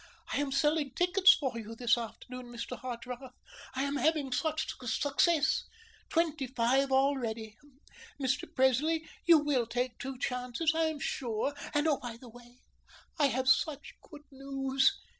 I am selling tickets for you this afternoon, Mr. Hartrath. I am having such success. Twenty five already. Mr. Presley, you will take two chances, I am sure, and, oh, by the way, I have such good news.